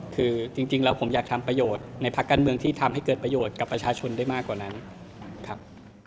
คือจริงแล้วผมอยากทำประโยชน์ในภาคการเมืองที่ทำให้เกิดประโยชน์กับประชาชนได้มากกว่านั้นครับ